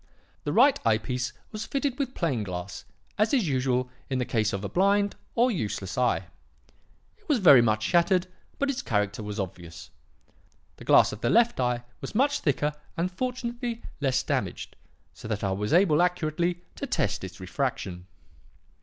The right eye piece was fitted with plain glass, as is usual in the case of a blind, or useless, eye. It was very much shattered, but its character was obvious. The glass of the left eye was much thicker and fortunately less damaged, so that I was able accurately to test its refraction.